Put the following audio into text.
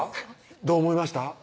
どう思いました？